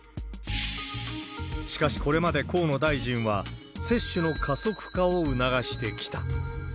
しかし、これまで河野大臣は、接種の加速化を促してきた。